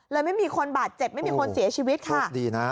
ไม่มีคนบาดเจ็บไม่มีคนเสียชีวิตค่ะดีนะ